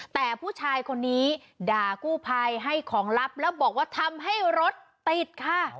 แต่ผู้ชายคนนี้ด่ากู้ภัยให้ของลับแล้วบอกว่าทำให้รถติดค่ะ